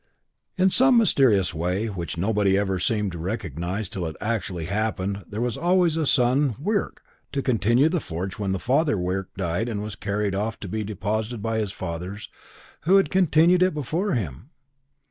In some mysterious way which nobody ever seemed to recognize till it actually happened there was always a son Wirk to continue the forge when the father Wirk died and was carried off to be deposited by his fathers who had continued it before him.